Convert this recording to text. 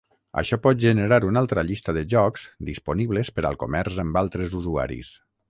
Això pot generar una altra llista de jocs disponibles per al comerç amb altres usuaris.